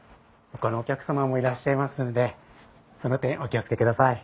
ほかのお客様もいらっしゃいますのでその点お気を付けください。